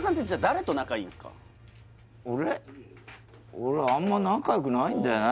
俺はあんま仲良くないんだよね